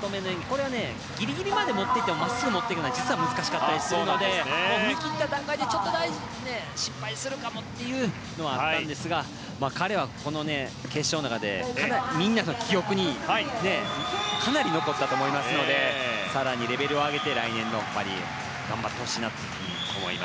これはギリギリまで持っていくと真っすぐで持っていくのが実は難しかったりするので踏み切った段階でちょっと失敗するかもというのはあったんですが彼はこの決勝の中でかなりみんなの記憶に残ったと思いますので更にレベルを上げて来年のパリへ頑張ってほしいなと思います。